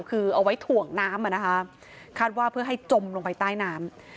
คือเอาไว้ถ่วงน้ำอ่ะนะคะคาดว่าเพื่อให้จมลงไปใต้น้ำ